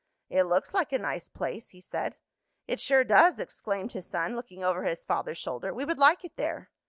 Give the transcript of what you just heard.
"It looks like a nice place," he said. "It sure does!" exclaimed his son, looking over his father's shoulder. "We would like it there."